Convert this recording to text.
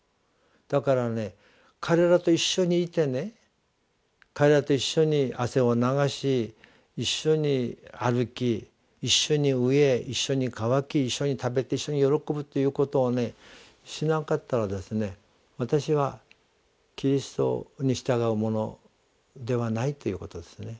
だからね彼らと一緒にいてね彼らと一緒に汗を流し一緒に歩き一緒に飢え一緒に渇き一緒に食べて一緒に喜ぶということをしなかったら私はキリストに従う者ではないということですね。